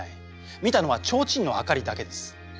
見たのはちょうちんの明かりだけです。